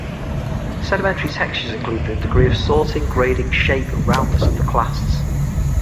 Sedimentary textures include the degree of sorting, grading, shape and roundness of the clasts.